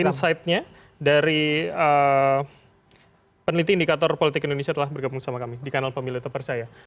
insight nya dari peneliti indikator politik indonesia telah bergabung sama kami di kanal pemilu tepar saya